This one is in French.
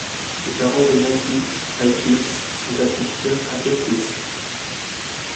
Les parents de Nazi Paikidze sont instituteurs à Irkoutsk.